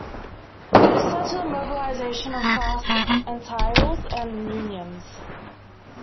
This led to the mobilization of class entities and unions.